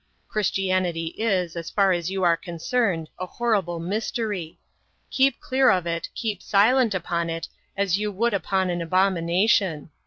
Christianity is, as far as you are concerned, a horrible mystery. Keep clear of it, keep silent upon it, as you would upon an abomination.